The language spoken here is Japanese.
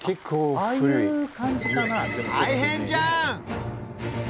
大変じゃん！